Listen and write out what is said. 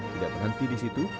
tidak berhenti di situ